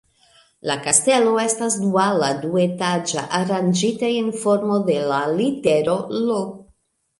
La kastelo estas duala, duetaĝa, aranĝita en formo de la litero "L".